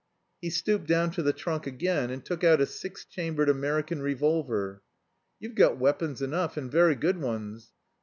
He stooped down to the trunk again and took out a six chambered American revolver. "You've got weapons enough, and very good ones."